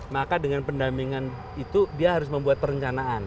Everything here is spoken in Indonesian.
maka dengan pendampingan itu dia harus membuat perencanaan